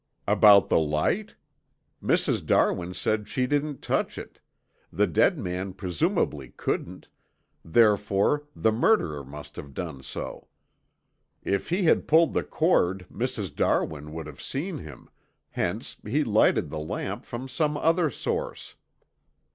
"About the light? Mrs. Darwin said she didn't touch it, the dead man presumably couldn't, therefore the murderer must have done so. If he had pulled the cord Mrs. Darwin would have seen him, hence he lighted the lamp from some other source.